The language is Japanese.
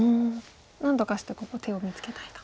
何とかしてここ手を見つけたいと。